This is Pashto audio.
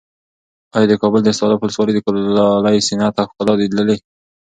ایا د کابل د استالف ولسوالۍ د کلالۍ صنعت او ښکلا دې لیدلې؟